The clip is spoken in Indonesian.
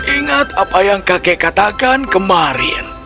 ingat apa yang kakek katakan kemarin